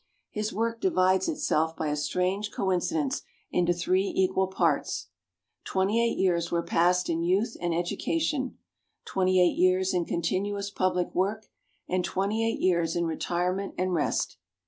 His work divides itself by a strange coincidence into three equal parts. Twenty eight years were passed in youth and education; twenty eight years in continuous public work; and twenty eight years in retirement and rest.